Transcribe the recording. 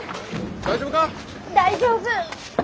大丈夫。